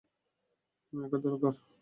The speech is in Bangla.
আমার ওকে দরকার!